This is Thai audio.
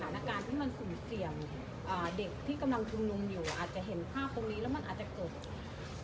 เด็กที่กำลังทุ่มอยู่อาจจะเห็นภาพตรงนี้แล้วมันอาจจะเกิด